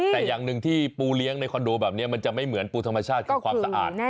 แต่อย่างหนึ่งที่ปูเลี้ยงในคอนโดแบบนี้มันจะไม่เหมือนปูธรรมชาติคือความสะอาด